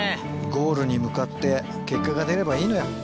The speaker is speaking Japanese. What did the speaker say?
ゴールに向かって結果が出ればいいのよ。